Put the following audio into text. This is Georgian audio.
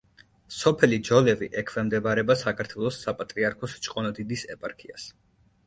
სოფელი ჯოლევი ექვემდებარება საქართველოს საპატრიარქოს ჭყონდიდის ეპარქიას.